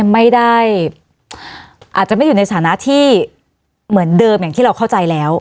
ไม่ได้อาจจะไม่อยู่ในสถานะที่เหมือนเดิมอย่างที่เราเข้าใจแล้ว